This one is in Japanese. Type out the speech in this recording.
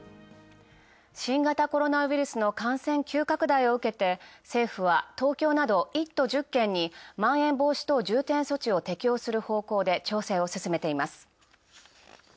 新型コロナウイルスの感染急拡大を受けて政府は、東京など１都１０県にまん延防止等重点措置を適用する方向で進めています。